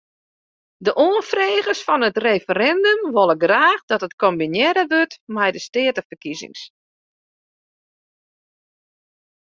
De oanfregers fan it referindum wolle graach dat it kombinearre wurdt mei de steateferkiezings.